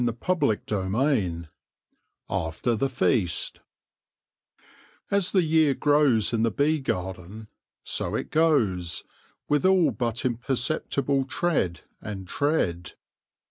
* CHAPTER XV AFTER THE FEAST AS the year grows in the bee garden, sq it goes, with all but imperceptible tread and tread.